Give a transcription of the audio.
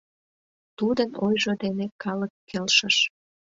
Тудын ойжо дене калык келшыш.